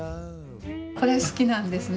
これ好きなんですね